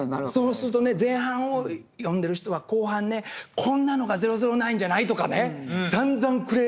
そうするとね前半を読んでる人は後半ねこんなのが「００９」じゃないとかねさんざんクレームも入るんです。